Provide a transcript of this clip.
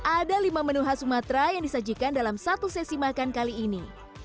ada lima menu khas sumatera yang disajikan dalam satu sesi makan kali ini